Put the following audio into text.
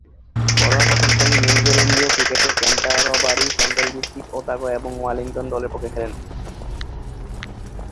ঘরোয়া প্রথম-শ্রেণীর নিউজিল্যান্ডীয় ক্রিকেটে ক্যান্টারবারি, সেন্ট্রাল ডিস্ট্রিক্টস, ওতাগো এবং ওয়েলিংটন দলের পক্ষে খেলেন।